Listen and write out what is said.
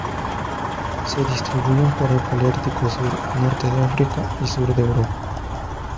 Se distribuyen por el paleártico sur: norte de África y sur de Europa.